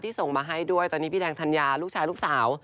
ส่งมาให้ด้วยตอนนี้พี่แดงธัญญาลูกชายลูกสาว